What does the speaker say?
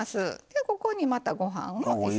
ここにまたご飯を入れて。